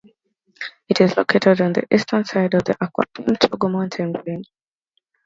It is located on the eastern side of the Akwapim Togo mountain range.